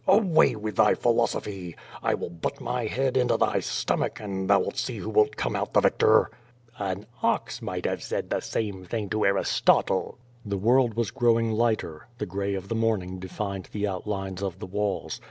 "Away with thy philosophy! 1 will butt my head into thy stomach, and thou wilt see who wilt come out the victor." "An ox might have said the same thing to Aristotle." The world was growing lighter. The gray of the morning defined the outlines of the walls.